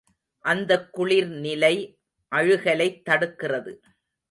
அந்தக் குளிர் நிலை அழுகலைத் தடுக்கிறது.